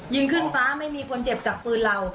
ยิงขึ้นฟ้าไม่มีคนเจ็บจากปืนเรา